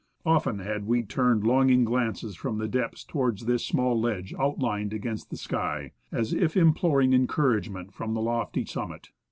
Often had we turned longing glances from the depths towards this small ledge outlined against the sky, as if imploring encouragement from the lofty summit